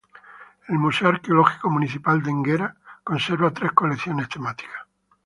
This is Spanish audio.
El Museo Arqueológico Municipal de Enguera conserva tres colecciones temáticas.